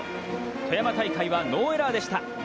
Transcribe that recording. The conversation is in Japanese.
富山大会はノーエラーでした。